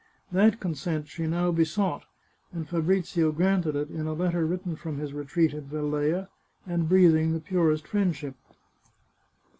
That con sent she now besought, and Fabrizio granted it in a letter written from his retreat at Velleia, and breathing the purest friendship.